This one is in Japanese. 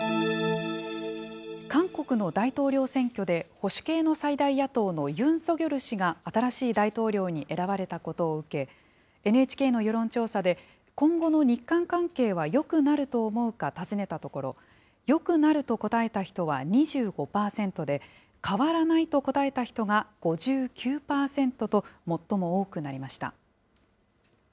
韓国の大統領選挙で、保守系の最大野党のユン・ソギョル氏が、新しい大統領に選ばれたことを受け、ＮＨＫの世論調査で、今後の日韓関係はよくなると思うか尋ねたところ、よくなると答えた人は２５％で、変わらないと答えた人が５９％と、最も多くなりました。